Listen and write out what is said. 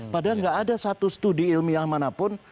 padahal nggak ada satu studi ilmiah manapun